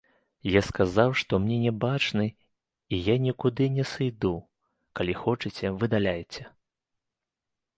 Я сказаў, што мне не бачны і я нікуды не сыйду, калі хочаце выдаляйце.